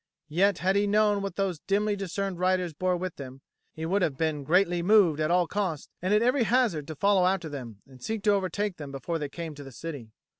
Yet had he known what those dimly discerned riders bore with them, he would have been greatly moved at all costs and at every hazard to follow after them and seek to overtake them before they came to the city.